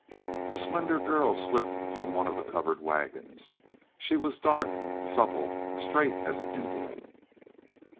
A slender girl slipped from one of the covered wagons; she was dark, supple, straight as an Indian.